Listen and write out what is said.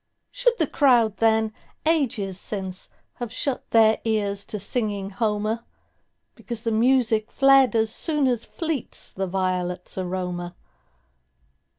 Should the crowd then, ages since, Have shut their ears to singing Homer, Because the music fled as soonAs fleets the violets' aroma?